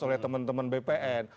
oleh teman teman bpn